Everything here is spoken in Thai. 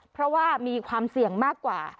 เพราะว่ามีความเสี่ยงมากกว่า